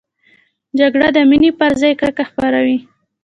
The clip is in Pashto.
جګړه د مینې پر ځای کرکه خپروي